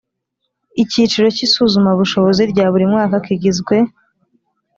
Icyiciro cy isuzamabushobozi rya buri mwaka kigizwe